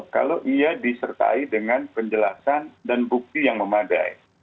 kalau ia disertai dengan penjelasan dan bukti yang memadai